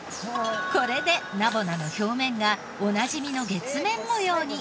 これでナボナの表面がおなじみの月面模様に。